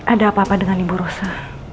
ada apa apa dengan ibu rosa